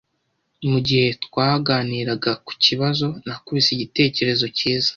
Mugihe twaganiraga kukibazo, nakubise igitekerezo cyiza.